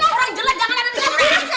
orang jelek jangan ada di atasnya